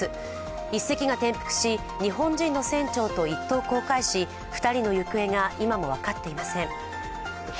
１隻が転覆し、日本人の船長と一等航海士２人の行方が今も分かっていません。